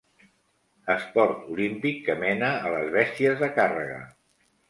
Esport olímpic que mena a les bèsties de càrrega.